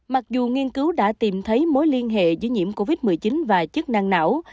mặc dù nghiên cứu đã tìm thấy mối liên hệ giữa nhiễm covid một mươi chín và chức năng não